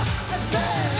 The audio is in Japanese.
せの！